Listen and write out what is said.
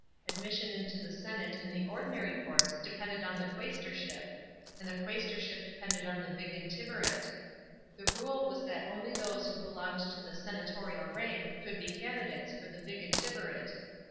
Admission to the senate in the ordinary course depended on the qusestorship ; .and the quaestorship depended on the vigintivirate. The rule was that only those who belonged to the senatorial rank could be candidates for the vigintivkate.